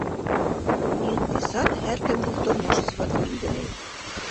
Иҡтисад һәр кемдең тормош сифатын билдәләй.